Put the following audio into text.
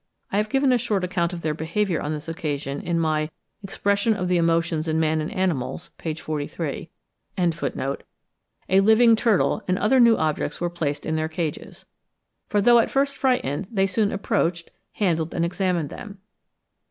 I have given a short account of their behaviour on this occasion in my 'Expression of the Emotions in Man and Animals,' p. 43.), a living turtle, and other new objects were placed in their cages; for though at first frightened, they soon approached, handled and examined them.